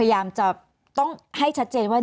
มีความรู้สึกว่ามีความรู้สึกว่า